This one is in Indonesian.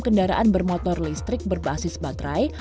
kendaraan bermotor listrik berbasis baterai